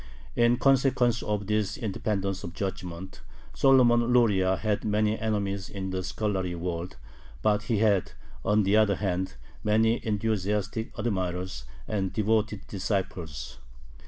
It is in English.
In consequence of this independence of judgment, Solomon Luria had many enemies in the scholarly world, but he had, on the other hand, many enthusiastic admirers and devoted disciples.